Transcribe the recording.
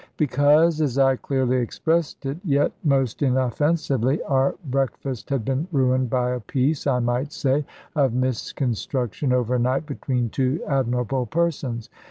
Because, as I clearly expressed it, yet most inoffensively, our breakfast had been ruined by a piece, I might say, of misconstruction overnight between two admirable persons.